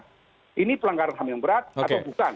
karena ini pelanggaran ham yang berat atau bukan